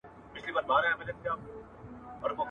که په تعلیم کې اصلاحات وي، نو ناهیلي نه وي.